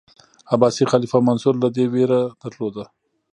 عباسي خلیفه منصور له ده ویره درلوده.